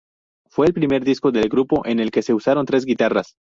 Fue el primer disco del grupo en el que se usaron tres guitarras.